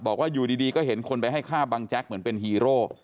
บอกว่าอยู่ดีก็เห็นคนไปให้ฆ่าบังแจ๊กเหมือนเป็นฮีโร่